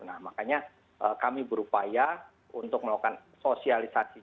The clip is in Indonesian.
nah makanya kami berupaya untuk melakukan sosialisasi